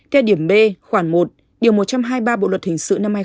theo điểm b khoảng một điều một trăm hai mươi ba bộ luật hình sự năm hai nghìn một mươi